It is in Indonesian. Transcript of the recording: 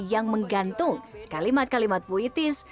yang menggantung kalimat kalimat puitis